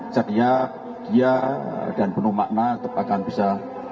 ceria gaya dan penuh makna akan bisa